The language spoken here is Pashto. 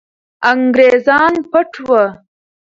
انګریزان پټ وو.